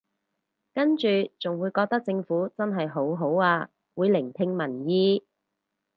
跟住仲會覺得政府真係好好啊會聆聽民意